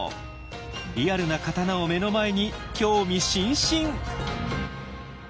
リアルな刀を目の前に興味津々。